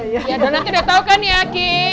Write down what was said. ya donat udah tau kan ya ki